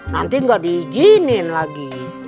nanti gak diizinin lagi